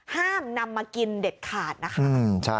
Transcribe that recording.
ห้ามนำมากินเด็ดขาดนะคะ